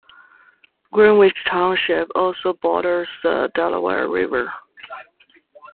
Greenwich Township also borders the Delaware River.